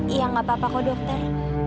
iya gak apa apa kok dokter